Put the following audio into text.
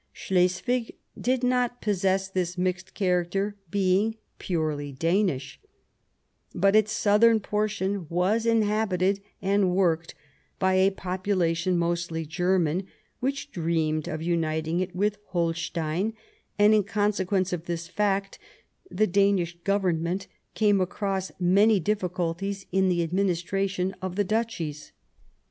Slesvig did not possess this mixed character, being purely Danish ; but its southern portion was inhabited and worked by a population mostly German, which dreamed of uniting it with Holstein ; and, in consequence of this fact, the Danish Government came across many difficulties in the administration of the Duchies.